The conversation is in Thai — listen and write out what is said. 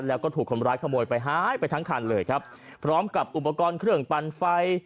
แล้วก็ถูกคนร้ายขโมยไปหายไปทั้งคันเลยครับพร้อมกับอุปกรณ์เครื่องปั่นไฟ